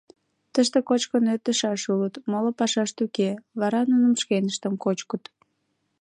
Тыште кочкын ӧрдышаш улыт, моло пашашт уке, вара нуным шкеныштым кочкыт.